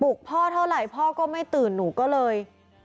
พ่อเท่าไหร่พ่อก็ไม่ตื่นหนูก็เลย